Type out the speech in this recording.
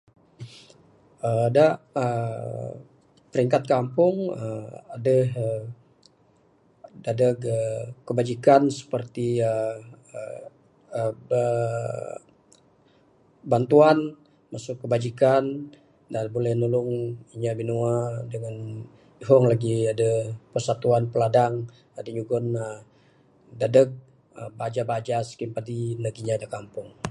Aaa da aaa peringkat kampung aaa adeh em, aduh aaa dadeg kebajikan seperti aaa, aaa, aaa bantuan masu kebajikan da buleh nulung inya binua dangan ihong lagi aduh persatuan peladang aduh nyugon aaa dadeg baja baja skim padi neg inya da kampung.